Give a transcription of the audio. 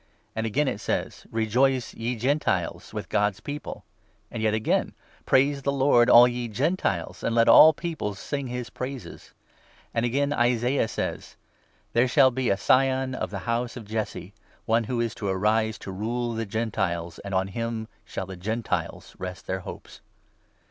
And again it says — 10 ' Rejoice, ye Gentiles, with God's People.' And yet again — 1 1 ' Praise the Lord, all ye Gentiles, And let all Peoples sing his praises.' Again, Isaiah says — 12 ' There shall be a Scion of the house of Jesse, One who is to arise to rule the Gentiles ; On him shall the Gentiles rest their hopes.'